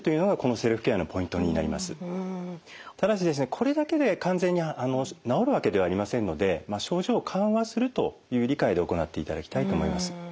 これだけで完全に治るわけではありませんので症状を緩和するという理解で行っていただきたいと思います。